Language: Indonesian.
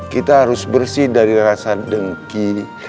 kita harus bersih dari rasa dengki